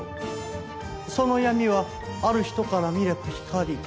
その闇はある人から見れば光。